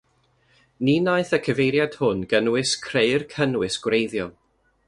Ni wnaeth y cyfeiriad hwn gynnwys creu'r cynnwys gwreiddiol.